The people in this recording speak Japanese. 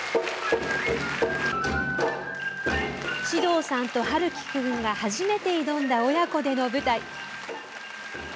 獅童さんと陽喜君が初めて挑んだ親子での舞台。